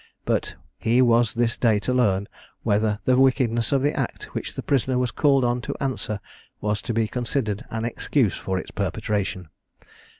But he was this day to learn, whether the wickedness of the act which the prisoner was called on to answer was to be considered an excuse for its perpetration.